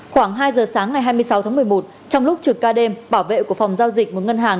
khoảng hai giờ sáng ngày hai mươi sáu tháng một mươi một trong lúc trực ca đêm bảo vệ của phòng giao dịch một ngân hàng